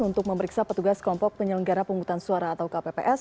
untuk memeriksa petugas kelompok penyelenggara penghutang suara atau kpps